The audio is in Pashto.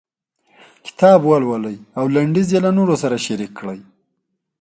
کتاب ولولئ او لنډيز یې له نورو سره شريک کړئ.